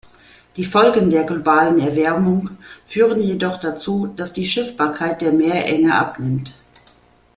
Die Folgen der globalen Erwärmung führen jedoch dazu, dass die Schiffbarkeit der Meerenge abnimmt.